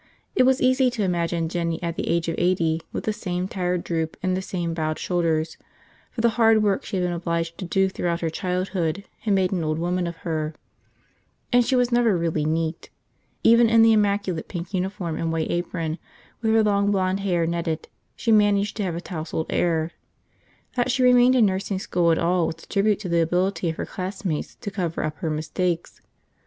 It was easy to imagine Jinny at the age of eighty with the same tired droop and the same bowed shoulders, for the hard work she had been obliged to do throughout her childhood had made an old woman of her. And she was never really neat. Even in the immaculate pink uniform and white apron, with her long blond hair netted, she managed to have a tousled air. That she remained in nursing school at all was a tribute to the ability of her classmates to cover up her mistakes.